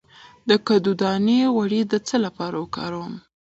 د کدو دانه غوړي د څه لپاره وکاروم؟